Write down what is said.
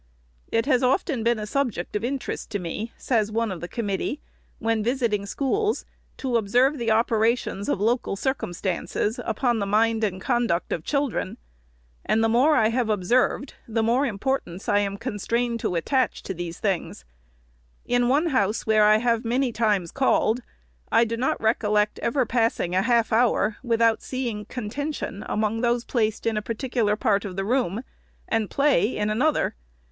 ' It has often been a subject of interest to me,' says one of the committee, ' when visiting schools, to observe the operations of local circum stances upon the mind and conduct of children ; and the more I have observed, the more importance am I con strained to attach to these things. In one house where I have many times called, I do not recollect ever passing a half hour, without seeing contention among those placed in a particular part of the room, and play in another.